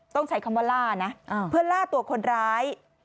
ต้องใช้คำว่าล่านะเพื่อล่าตัวคนร้าย